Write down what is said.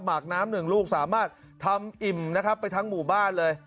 หักน้ำหนึ่งลูกสามารถทำอิ่มนะครับไปทั้งหมู่บ้านเลย